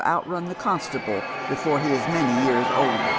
outrun the conistable before he is many ytais older.